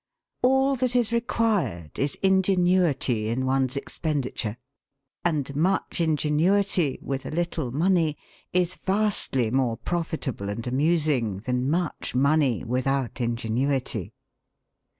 All that is required is ingenuity in one's expenditure. And much ingenuity with a little money is vastly more profitable and amusing than much money without ingenuity.